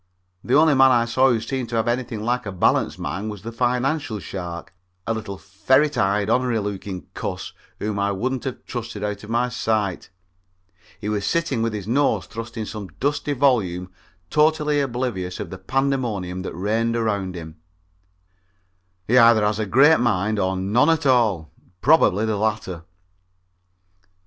The only man I saw who seemed to have anything like a balanced mind was the financial shark, a little ferret eyed, onery looking cuss whom I wouldn't have trusted out of my sight. He was sitting with his nose thrust in some dusty volume totally oblivious of the pandemonium that reigned around him. He either has a great mind or none at all probably the latter.